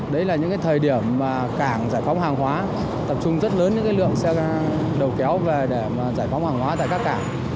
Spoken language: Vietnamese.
đấy là những thời điểm mà cảng giải phóng hàng hóa tập trung rất lớn những lượng xe đầu kéo về để giải phóng hàng hóa tại các cảng